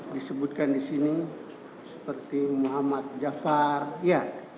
disebutkan disini seperti muhammad jafar ya